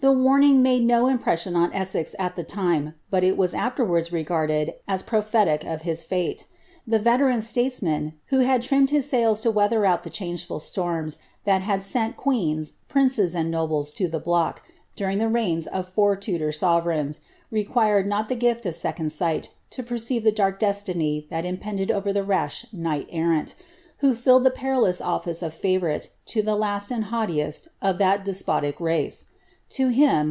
m i maJe no impression on Es^ex at the time, but it was afierward'' regarded as prophetic of his fate The \eienui statesman, uho had trimmed ha fiaila to weather out the changeful "lorms that had sent queens, prmres, and nobles to the block, dunng the reign*" of four Tudor sovectipi!, required not the gift of "econd sighl lo percene the dark de tini lh»l imjiended over the rash knichi erranl, nho filled the perilous otSce of favourite to the last and haughiiesl of tliat deipntic race To him.